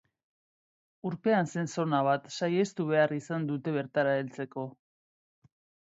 Urpean zen zona bat saihestu behar izan dute bertara heltzeko.